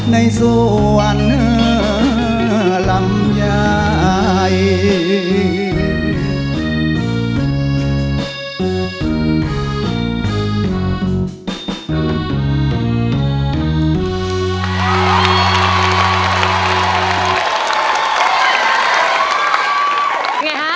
ในสวรรค์ลำใหญ่